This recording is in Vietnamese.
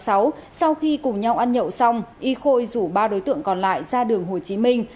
sau khi cùng nhau ăn nhậu xong y khôi rủ ba đối tượng còn lại ra đường hồ chí minh